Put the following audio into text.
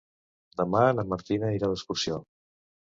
Demà na Martina irà d'excursió.